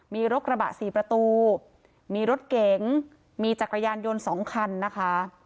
มีรถกระบะ๔ประตูมีรถเก๋งมีจักรยานยนต์๒คันนะคะ